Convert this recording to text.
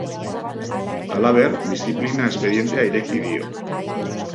Halaber, diziplina-espedientea ireki dio.